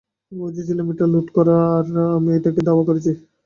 আমি বুঝেছিলাম এটা লোড করা, তাই আমি লোকটাকে ধাওয়া করেছি।